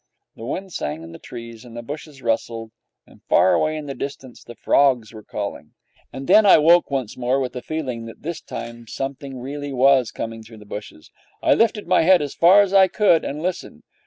The wind sang in the trees and the bushes rustled, and far away in the distance the frogs were calling. And then I woke once more with the feeling that this time something really was coming through the bushes. I lifted my head as far as I could, and listened.